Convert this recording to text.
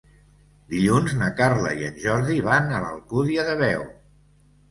Dilluns na Carla i en Jordi van a l'Alcúdia de Veo.